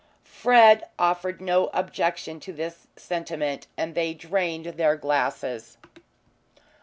Fred offered no objection to this sentiment and they drained glasses.